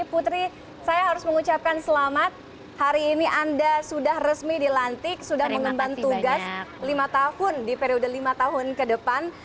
putri saya harus mengucapkan selamat hari ini anda sudah resmi dilantik sudah mengemban tugas lima tahun di periode lima tahun ke depan